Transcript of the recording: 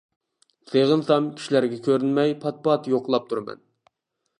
سېغىنسام كىشىلەرگە كۆرۈنمەي پات-پات يوقلاپ تۇرىمەن.